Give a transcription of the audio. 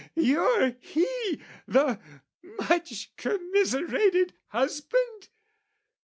you're he, "The...much commiserated husband?"